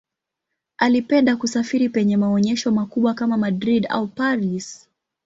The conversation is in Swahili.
Alipenda kusafiri penye maonyesho makubwa kama Madrid au Paris.